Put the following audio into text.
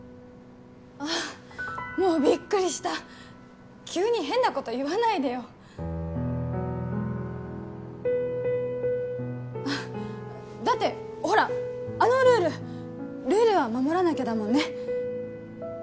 ああもうビックリした急に変なこと言わないでよだってほらあのルールルールは守らなきゃだもんね